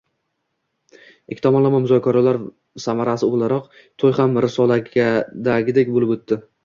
Ikki tomonlama muzokaralar samarasi o`laroq, to`y ham risoladagidek bo`lib o`tdi